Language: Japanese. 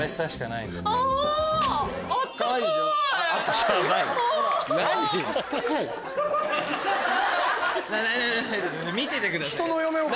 な見ててください。